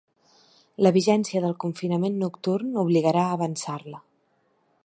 La vigència del confinament nocturn obligarà a avançar-la.